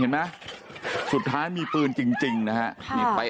เห็นไหมสุดท้ายมีปืนจริงนะฮะ